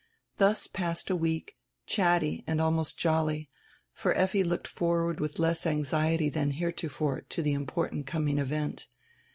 Thus passed a week, chatty and almost jolly, for Effi looked forward with less anxiety than heretofore to die important coming event.